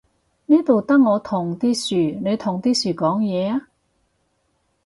呢度得我同啲樹，你同啲樹講嘢呀？